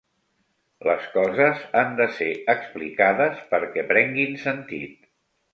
Les coses han de ser explicades perquè prenguin sentit.